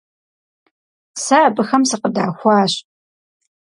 Сэ абыхэм сыкъыдахуащ.